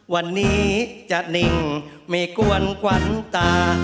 วันนี้จะนิ่งไม่กวนขวัญตา